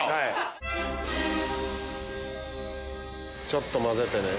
ちょっと混ぜてね。